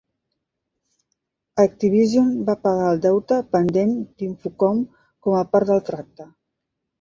Activision va pagar el deute pendent d'Infocom com a part del tracte.